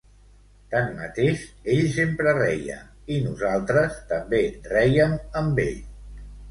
Tanmateix ell sempre reia, i nosaltres també rèiem amb ell.